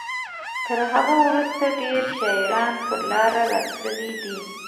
تر هغه وروسته ډیر شاعران پر لاره تللي دي.